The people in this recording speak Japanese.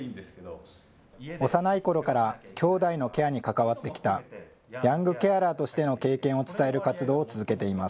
幼いころからきょうだいのケアに関わってきたヤングケアラーとしての経験を伝える活動を続けています。